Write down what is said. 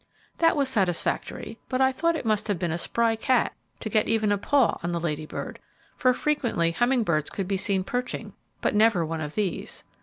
That was satisfactory, but I thought it must have been a spry cat to get even a paw on the Lady Bird, for frequently humming birds could be seen perching, but never one of these.